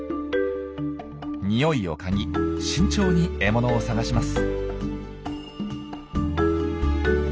ニオイを嗅ぎ慎重に獲物を探します。